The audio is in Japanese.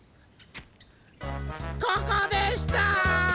ここでした！